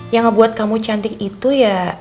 yang ngebuat kamu cantik itu ya